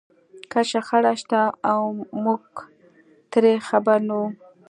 که شخړه شته او موږ ترې خبر نه وو.